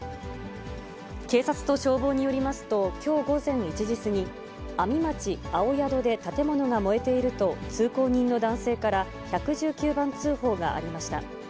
警察と消防によりますと、きょう午前１時過ぎ、阿見町青宿で建物が燃えていると、通行人の男性から１１９番通報がありました。